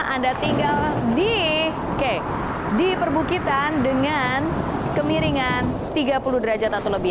anda tinggal di perbukitan dengan kemiringan tiga puluh derajat atau lebih